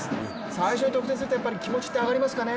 最初に得点すると気持ちって上がりますかね？